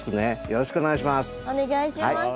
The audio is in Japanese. よろしくお願いします。